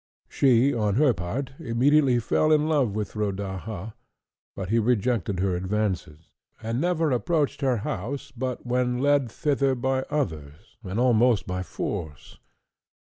She, on her part, immediately fell in love with Rodaja, but he rejected her advances, and never approached her house but when led thither by others, and almost by force.